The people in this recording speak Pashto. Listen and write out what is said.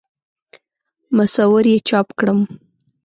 مصور یې چاپ کړم.